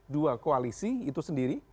dua koalisi itu sendiri